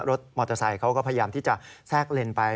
รถมอเตอร์ไซค์เขาก็พยายามที่จะแทรกเลนไป